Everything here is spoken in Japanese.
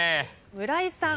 村井さん。